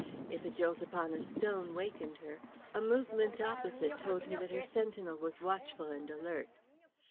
If a jolt upon a stone wakened her, a movement opposite told her that her sentinel was watchful and alert.